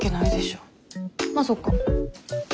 まあそっか。